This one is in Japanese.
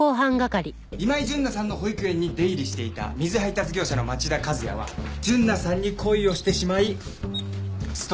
今井純奈さんの保育園に出入りしていた水配達業者の町田和也は純奈さんに恋をしてしまいストーカーに。